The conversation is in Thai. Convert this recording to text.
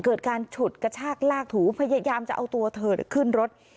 เกิดการฉุดกระชากลากถูพยายามจะเอาตัวเธอขึ้นรถ